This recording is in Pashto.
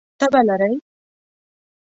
تبه لرئ؟